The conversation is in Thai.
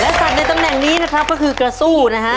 สัตว์ในตำแหน่งนี้นะครับก็คือกระสู้นะฮะ